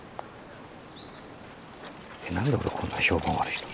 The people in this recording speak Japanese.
えっ何で俺こんな評判悪いの？